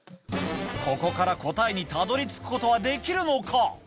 ここから答えにたどり着くことはできるのか？